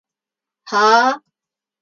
はーーー？